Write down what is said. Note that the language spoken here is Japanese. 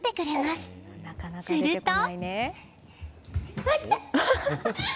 すると。